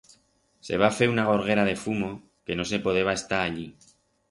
Se va fer una gorguera de fumo que no se podeba estar allí.